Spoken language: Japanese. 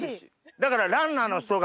だから。